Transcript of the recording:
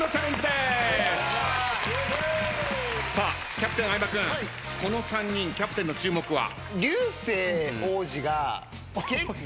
キャプテン相葉君この３人キャプテンの注目は？